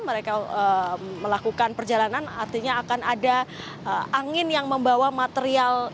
mereka melakukan perjalanan artinya akan ada angin yang membawa material ini untuk naik ke atas